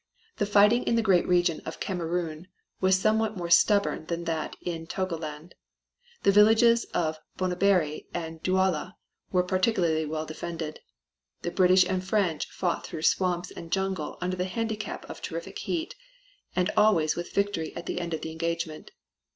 The fighting in the great region of Kamerun was somewhat more stubborn than that in Togoland. The villages of Bonaberi and Duala were particularly well defended. The British and French fought through swamps and jungle under the handicap of terrific heat, and always with victory at the end of the engagement.